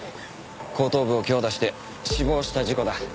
後頭部を強打して死亡した事故だ。